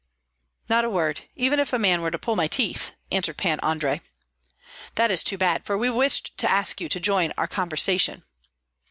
"Not a word, even if a man were to pull my teeth," answered Pan Andrei. "That is too bad, for we wished to ask you to join our conversation."